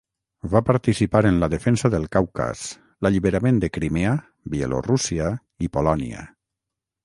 Va participar en la defensa del Caucas, l'alliberament de Crimea, Bielorússia i Polònia.